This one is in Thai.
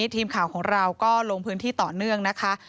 ทีมข่าวของเราก็ลงพื้นที่ต่อเนื่องนะคะ